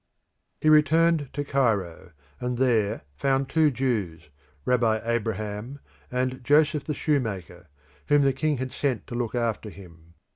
He returned to Cairo, and there found two Jews, Rabbi Abraham and Joseph the Shoemaker, whom the king had sent to look after him.